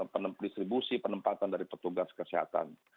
penempatan dari petugas kesehatan